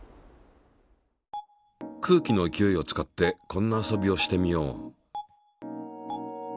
空気の勢いを使ってこんな遊びをしてみよう。